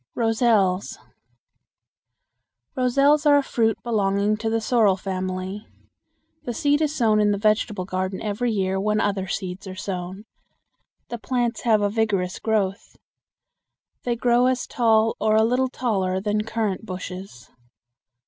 Roselles. Roselles are a fruit belonging to the sorrel family. The seed is sown in the vegetable garden every year when other seeds are sown. The plants have a vigorous growth. They grow as tall or a little taller than currant bushes.